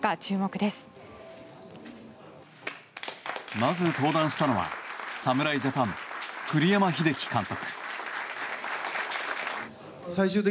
まず登壇したのは侍ジャパン、栗山英樹監督。